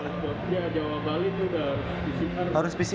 jawa bali itu harus pcr